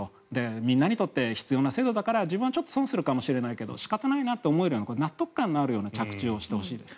みんなにとって必要な制度だから自分はちょっと損をするかもしれないけど仕方ないなと思えるような納得感のあるような着地をしてほしいですよね。